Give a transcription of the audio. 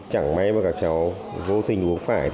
chẳng may mà các cháu vô tình uống phải